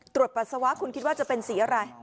ปัสสาวะคุณคิดว่าจะเป็นสีอะไร